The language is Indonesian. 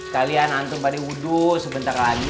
kalian antung pada wudhu sebentar lagi